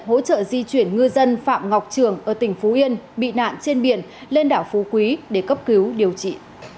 hỗ trợ di chuyển ngư dân phạm ngọc trường ở tỉnh phú yên bị nạn trên biển lên đảo phú quý để cấp cứu điều trị